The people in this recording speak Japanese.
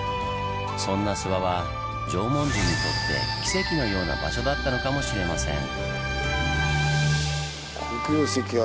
そんな諏訪は縄文人にとって奇跡のような場所だったのかもしれません。